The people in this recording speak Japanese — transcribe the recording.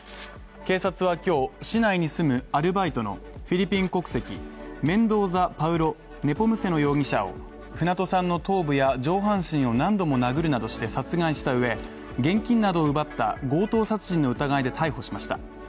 警察は今日、市内に住むアルバイトのフィリピン国籍メンドーザ・パウロ・ネポムセノ容疑者を船戸さんの頭部や上半身を何度も殴るなどして殺害したうえ、現金などを奪った強盗殺人の疑いで逮捕しました。